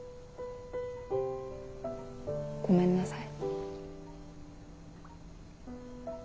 ごめんなさい。